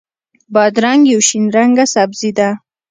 بادرنګ یو شین رنګه سبزي ده.